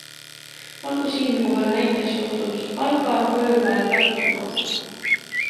Olgu siinkohal näiteks toodud Valga-, Põlva- ja Tartumaa.